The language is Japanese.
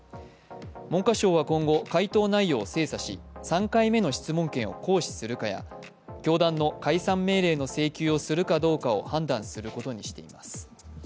文科省は今後、回答内容を精査し３回目の質問権を行使するかや教団の解散命令の請求をするかどうかを判断することにしています。